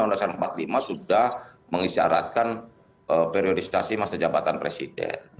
pemerintahan desa empat puluh lima sudah mengisyaratkan periodistasi mas dajabatan presiden